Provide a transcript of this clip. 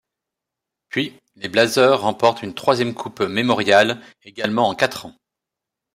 Puis, les Blazers remportent une troisième Coupe Memorial également en quatre ans.